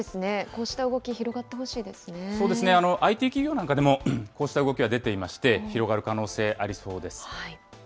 こうした動き、広がってほしいでそうですね、ＩＴ企業なんかでもこうした動きは出ていまして、広がる可能性、ありそうです。